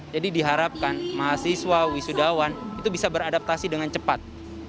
jadi diharapkan mahasiswa wisudawan itu bisa beradaptasi dengan cepat